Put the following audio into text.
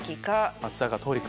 松坂桃李君。